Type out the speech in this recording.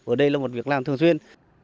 ở đây là một việc làm thường xuyên